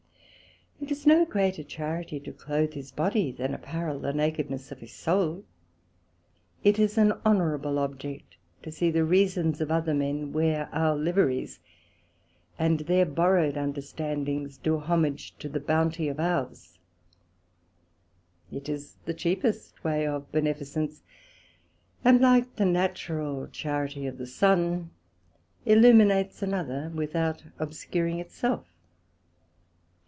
It is no greater Charity to cloath his body, than apparel the nakedness of his Soul. It is an honourable object to see the reasons of other men wear our Liveries, and their borrowed understandings do homage to the bounty of ours: It is the cheapest way of beneficence, and like the natural charity of the Sun, illuminates another without obscuring it self.